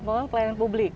mall pelayanan publik